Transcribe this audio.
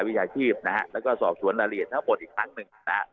วิชาชีพนะฮะแล้วก็สอบสวนรายละเอียดทั้งหมดอีกครั้งหนึ่งนะฮะ